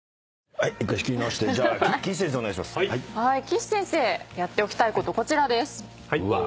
岸先生やっておきたいことこちらです。